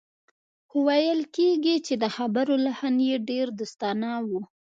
خو ویل کېږي چې د خبرو لحن یې ډېر دوستانه و